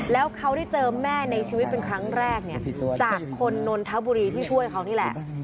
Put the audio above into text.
แล้วเขาได้เจอแม่ในชีวิตเป็นครั้งแรกเนี่ยจากคนนนทบุรีที่ช่วยเขานี่แหละ